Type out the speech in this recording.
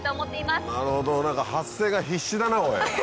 なるほど何か発声が必死だなおい。